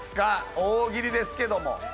大喜利ですけども。